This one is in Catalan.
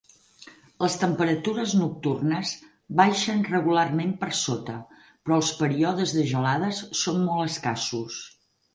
Les temperatures nocturnes baixen regularment per sota, però els períodes de gelades són molt escassos.